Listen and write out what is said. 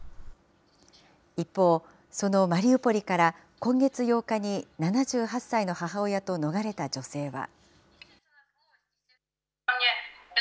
一方、そのマリウポリから今月８日に７８歳の母親と逃れた女性は。